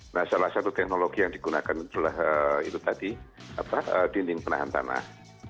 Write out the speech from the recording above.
nah salah satu teknologi yang digunakan adalah itu tadi dinding penahan tanah